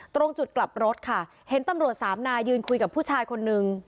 ตรงจุดกลับรถค่ะเห็นตำรวจสามนายยืนคุยกับผู้ชายคนนึง